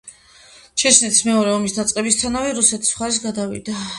ჩეჩნეთის მეორე ომის დაწყებისთანავე რუსეთის მხარეს გადავიდა.